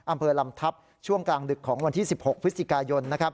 อำเภอลำทัพช่วงกลางดึกของวันที่๑๖พฤศจิกายน